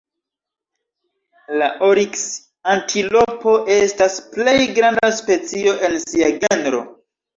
La oriks-antilopo estas plej granda specio en sia genro.